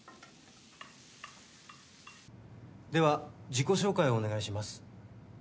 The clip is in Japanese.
・では自己紹介をお願いします。